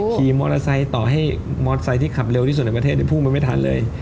ขี่มอเตอร์ไซค์ต่อให้มอเตอร์ไซค์ที่ขับเร็วที่สุดในประเทศพุ่งมันไม่ทันเลย